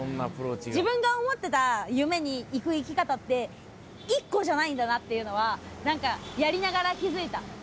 自分が思ってた夢に行く生き方って１個じゃないんだなっていうのは何かやりながら気付いた。